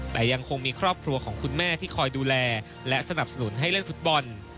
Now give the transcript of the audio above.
แต่ยังคงมีครอบครัวของคุณแม่ที่คอยดูแลและสนับสนุนให้เล่นฟุตบอล